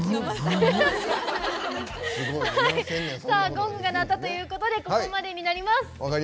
ゴングが鳴ったということでここまでになります。